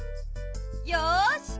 よし！